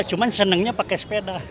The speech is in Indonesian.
cuma senangnya pakai sepeda